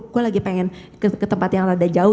gue lagi pengen ke tempat yang rada jauh